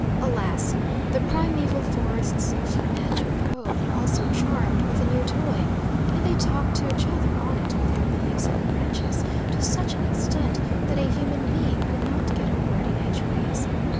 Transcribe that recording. Alas! the primaeval forests of Fernando Po were also charmed with the new toy, and they talked to each other on it with their leaves and branches to such an extent that a human being could not get a word in edgeways.